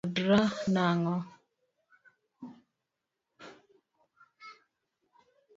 Udar nang'o?